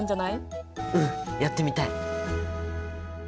うんやってみたい！